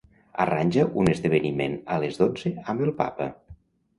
Arranja un esdeveniment a les dotze amb el papa.